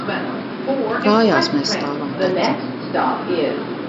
Kājās mēs stāvam taču.